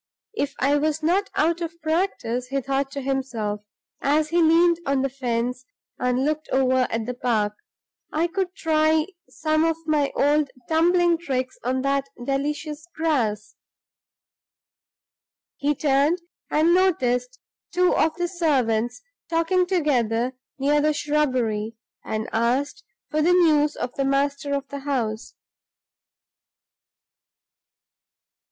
"If I was not out of practice," he thought to himself, as he leaned on the fence and looked over at the park, "I could try some of my old tumbling tricks on that delicious grass." He turned, noticed two of the servants talking together near the shrubbery, and asked for news of the master of the house.